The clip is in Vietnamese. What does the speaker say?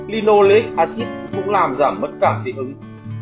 linoleic acid cũng làm giảm mất cản dị ứng